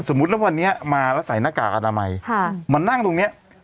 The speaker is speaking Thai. ก็สมมุติว่าวันนี้มาแล้วใส่หน้ากากอาธารณะใหม่ค่ะมานั่งตรงเนี้ย